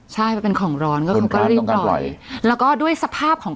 ใช่มันเป็นของร้อนก็คือก็รีบปล่อยแล้วก็ด้วยสภาพของ